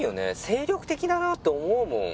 精力的だなって思うもん